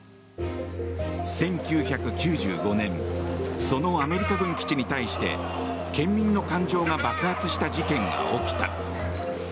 １９９５年そのアメリカ軍基地に対して県民の感情が爆発した事件が起きた。